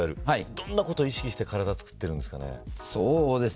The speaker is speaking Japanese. どんなことを意識して体をつくってるんですかね。